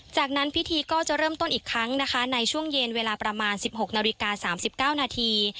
จากนั้นพิธีก็จะเริ่มต้นอีกครั้งนะคะในช่วงเย็นเวลาประมาณ๑๖นาฬิกา๓๙นาที